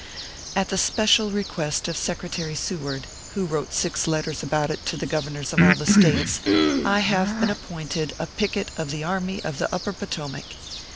At the special request of Secretary Seward, who wrote six letters about it to the Governors of all the States, I have been appointed a picket of the army of the Upper Potomac.